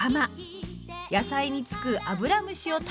野菜につくアブラムシを食べてくれます。